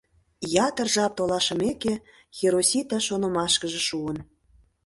Ятыр жап толашымеке, Хиросита шонымашкыже шуын.